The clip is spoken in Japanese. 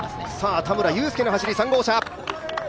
田村友佑の走り、３号車。